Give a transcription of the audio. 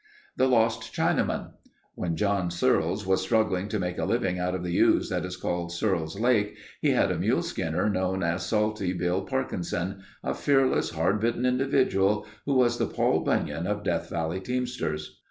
THE LOST CHINAMAN: When John Searles was struggling to make a living out of the ooze that is called Searles' Lake he had a mule skinner known as Salty Bill Parkinson—a fearless, hard bitten individual who was the Paul Bunyan of Death Valley teamsters.